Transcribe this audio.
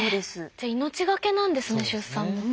じゃあ命懸けなんですね出産も。